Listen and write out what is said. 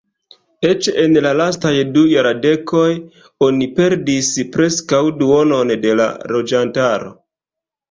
Eĉ en la lastaj du jardekoj oni perdis preskaŭ duonon de la loĝantaro.